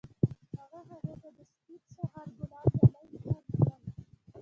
هغه هغې ته د سپین سهار ګلان ډالۍ هم کړل.